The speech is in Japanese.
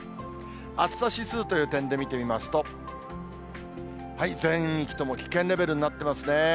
暑さ指数という点で見てみますと、全域とも危険レベルになっていますね。